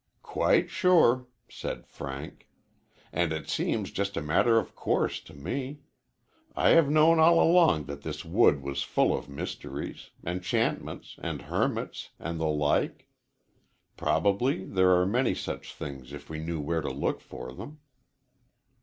"Quite sure," said Frank. "And it seems just a matter of course to me. I have known all along that this wood was full of mysteries enchantments, and hermits, and the like. Probably there are many such things if we knew where to look for them."